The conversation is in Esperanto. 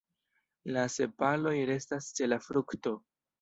La sepaloj restas ĉe la frukto.